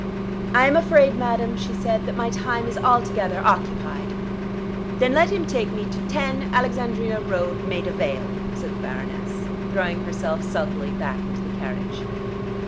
"I am afraid, madam," she said, "that my time is altogether occupied." "Then let him take me to 10, Alexandrina Row, Maida Vale," said the Baroness, throwing herself sulkily back into the carriage.